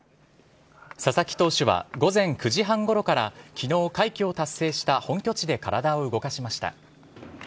佐々木投手は、午前９時半ごろから、きのう快挙を達成した本拠地で体を動かしました。